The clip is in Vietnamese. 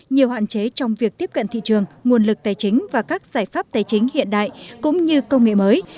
nhiều hạn chế trong việc tiếp cận thị trường nguồn lực tài chính và các giải pháp tài chính hiện đại cũng như công nghệ mới